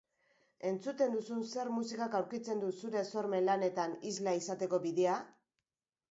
Entzuten duzun zer musikak aurkitzen du zure sormen lanetan isla izateko bidea?